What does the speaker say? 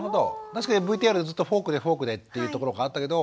確かにＶＴＲでずっとフォークでフォークでっていうところがあったけど。